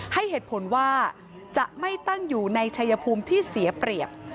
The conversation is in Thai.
ให้เหตุผลว่าจะไม่ตั้งอยู่ในชัยภูมิที่เสียเปรียบ